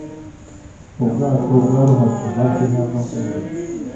Ubwato bwarohamye hafi hano ejo .